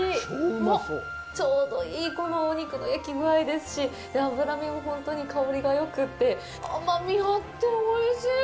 うわっ、ちょうどいいこのお肉の焼きぐあいですし脂身も本当に香りがよくって甘みがあって、おいしい。